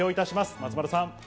松丸さん。